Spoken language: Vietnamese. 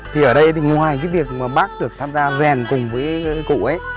thì ở đây thì ngoài cái việc mà bác được tham gia rèn cùng với cụ ấy